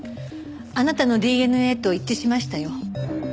あなたのＤＮＡと一致しましたよ。